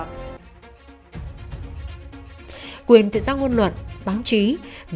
và quyền tiếp cận thông tin đã được đặt vào mức trung tâm contributions of vietnam